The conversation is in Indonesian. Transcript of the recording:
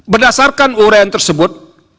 berdasarkan urayan tersebut